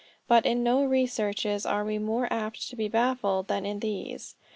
But in no researches are we more apt to be baffled than in these.